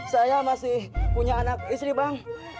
saya masih punya anak istri bang